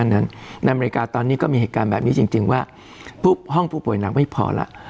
ในอเมริกาตอนนี้ก็มีเหตุการณ์แบบนี้จริงว่าห้องผู้ป่วยหนักไม่พอแล้ว